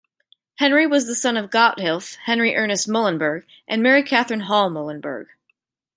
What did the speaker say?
Henry was the son of Gotthilf Henry Ernest Muhlenberg and Mary Catherine Hall Muhlenberg.